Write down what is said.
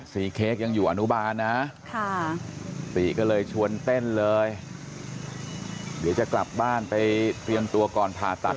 เค้กยังอยู่อนุบาลนะค่ะติก็เลยชวนเต้นเลยเดี๋ยวจะกลับบ้านไปเตรียมตัวก่อนผ่าตัด